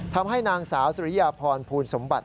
ทำให้นางสาวสุริยาพรภูลสมบัติ